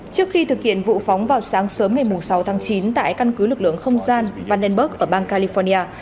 trước khi thực hiện vụ phóng vào sáng sớm ngày sáu tháng chín tại căn cứ lực lượng không gian vandenberg ở bang california